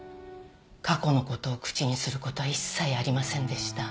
過去のことを口にすることは一切ありませんでした。